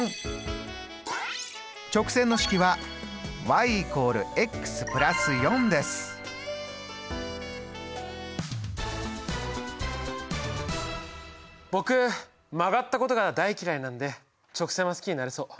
直線の式は僕曲がったことが大嫌いなんで直線は好きになれそう。